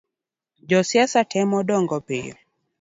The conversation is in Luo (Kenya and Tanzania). Josiasa temo dong’o piny